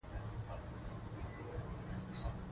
دوامدار کار انسان ته ورو ورو بریا راوړي